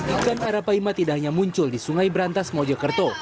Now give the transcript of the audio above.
ikan arapaima tidak hanya muncul di sungai berantas mojokerto